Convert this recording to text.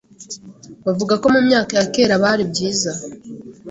bavuga ko mu myaka ya kera bari byiza